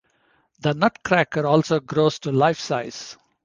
The nutcracker also grows to life size.